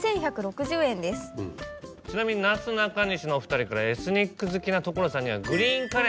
ちなみになすなかにしのお２人からエスニック好きな所さんには。